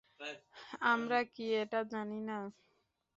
আমরা কি এটা জানি না?